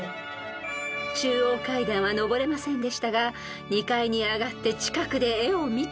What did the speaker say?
［中央階段は上れませんでしたが２階に上がって近くで絵を見てみると］